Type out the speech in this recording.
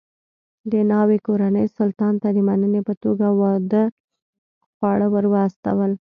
د ناوې کورنۍ سلطان ته د مننې په توګه واده خواړه ور واستول.